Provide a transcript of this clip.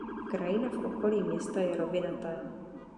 Krajina v okolí města je rovinatá.